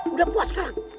udah puas sekarang